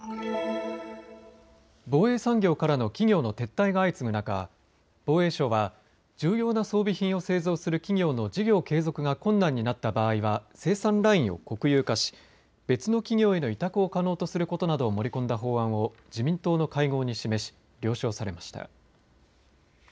防衛産業からの企業の撤退が相次ぐ中、防衛省は重要な装備品を製造する企業の事業継続が困難になった場合は生産ラインを国有化し別の企業への委託を可能とすることなどを盛り込んだ法案を自民党の会合に示し了承されました。